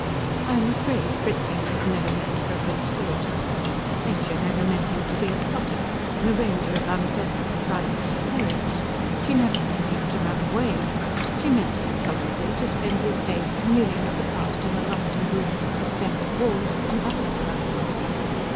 I am afraid Fritzing was never meant for a conspirator. Nature never meant him to be a plotter, an arranger of unpleasant surprises for parents. She never meant him to run away. She meant him, probably, to spend his days communing with the past in a lofty room with distempered walls and busts round them.